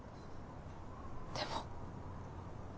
でも。